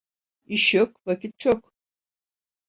İş yok, vakit çok.